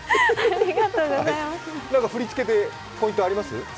何か振り付けでポイントあります？